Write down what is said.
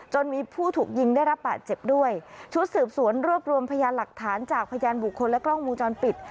ชุดสืบสวนรวบรวมพยานหลักฐานจากพยานบุคคลและกล้องมูลจรปิด